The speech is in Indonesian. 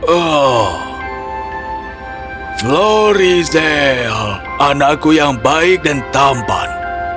oh florizel anakku yang baik dan tampan